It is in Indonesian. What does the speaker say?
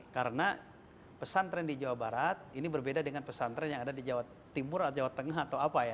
karena pesantren di jawa barat ini berbeda dengan pesantren yang ada di jawa timur atau jawa tengah atau apa ya